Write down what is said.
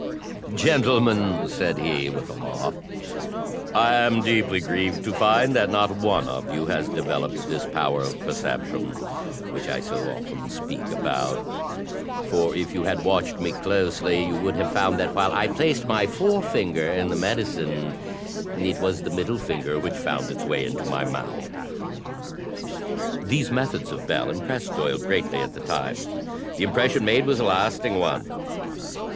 "Gentlemen," said he, with a laugh, "I am deeply grieved to find that not one of you has developed this power of per ception, which I so often speak about; for if you had watched me closely, you would have found that while I placed my forefinger in the medicine, it was the middle finger which found its way into my mouth." These methods of Bell impressed Doyle greatly at the time. The impression made was a lasting one.